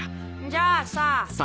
じゃあさ。